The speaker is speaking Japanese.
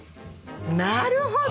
なるほど！